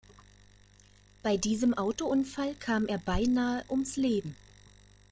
Bei diesem Autounfall kam er beinahe ums Leben.